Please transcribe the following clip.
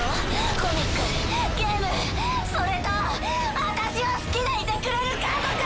コミックゲームそれと私を好きでいてくれる家族！